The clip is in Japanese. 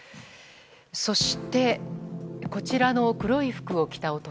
そして、こちらの黒い服を着た男。